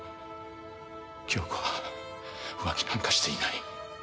恭子は「浮気なんかしていない」。